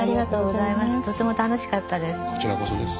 とても楽しかったです。